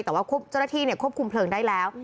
แต่ว่าเจ้าหน้าที่ควบคุมเพลิงได้แล้ว